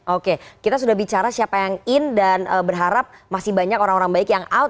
oke kita sudah bicara siapa yang in dan berharap masih banyak orang orang baik yang out